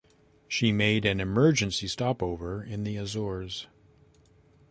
She made an emergency stop-over in the Azores.